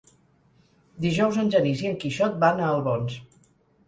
Dijous en Genís i en Quixot van a Albons.